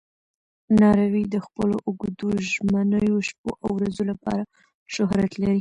ناروی د خپلو اوږدو ژمنیو شپو او ورځو لپاره شهرت لري.